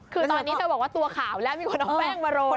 คือตอนนี้เธอบอกว่าตัวขาวแล้วมีคนเอาแป้งมาโรย